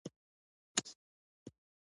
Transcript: ځوانان باید په خپله ژبه ویاړ وکړي.